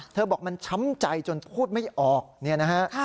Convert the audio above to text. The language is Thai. บอกมันช้ำใจจนพูดไม่ออกเนี่ยนะฮะ